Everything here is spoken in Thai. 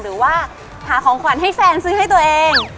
หรือว่าหาของขวัญให้แฟนซื้อให้ตัวเอง